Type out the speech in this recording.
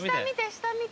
下見て。